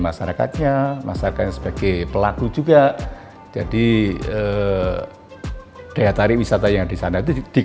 masyarakatnya masyarakat sebagai pelaku juga jadi daya tarik wisata yang disana itu dikonsumsi dengan masyarakat yang dikonsumsi dengan masyarakat yang dikonsumsi dengan